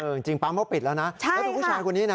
เออจริงปั๊มเขาปิดแล้วน่ะใช่ค่ะแล้วดูผู้ชายคนนี้น่ะ